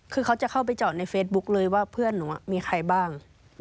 คือเขาจะเข้าไปจอดในเฟซบุ๊คเลยว่าเพื่อนหนูมีใครบ้าง